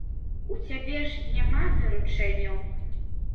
У цябе ж няма даручэнняў?